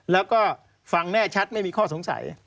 แล้วก็ฟังแน่ชัดไม่มีข้อสงสัย